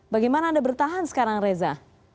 bagaimana anda bertahan sekarang reza